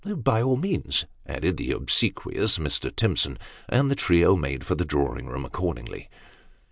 " By all means," added the obsequious Mr. Timson ; and the trio made for the drawing room accordingly.